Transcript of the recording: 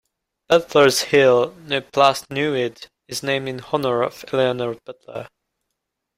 Butler's Hill, near Plas Newydd, is named in honour of Eleanor Butler.